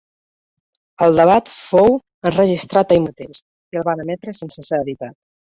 El debat fou enregistrat ahir mateix, i el van emetre sense ser editat.